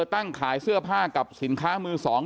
ตั้งขายเสื้อผ้ากับสินค้ามือสอง